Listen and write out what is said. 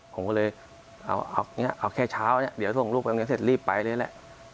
ผมก็เลยเอาแค่เช้าโดยจะทรงลูกไปตรงนี้เสร็จรีบไปเลยแหละ